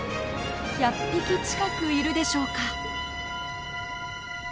１００匹近くいるでしょうか。